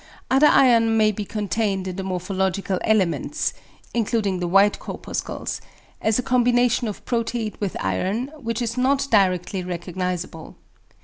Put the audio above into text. Other iron may be contained in the morphological elements (including the white corpuscles) as a combination of proteid with iron, which is not directly recognisable.